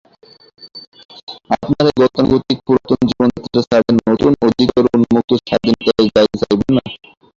আপনারা এই গতানুগতিক পুরাতন জীবনযাত্রা ছাড়িয়া নূতন অধিকতর উন্মুক্ত স্বাধীনতায় যাইতে চাহিবেন না।